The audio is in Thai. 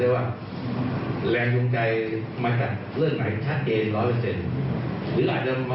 วันนี้เราก็รับฟังไว้ส่วนหนึ่ง